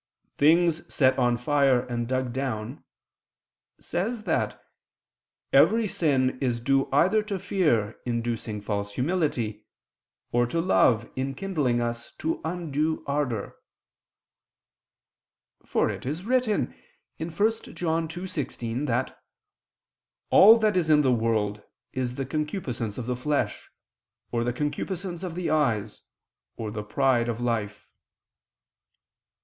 79:17, "Things set on fire and dug down," says that "every sin is due either to fear inducing false humility, or to love enkindling us to undue ardor." For it is written (1 John 2:16) that "all that is in the world, is the concupiscence of the flesh, or [Vulg.: 'and'] the concupiscence of the eyes, or [Vulg.: 'and'] the pride of life."